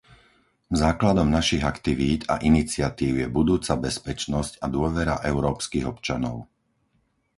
Základom našich aktivít a iniciatív je budúca bezpečnosť a dôvera európskych občanov.